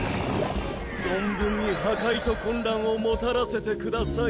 存分に破壊と混乱をもたらせてください。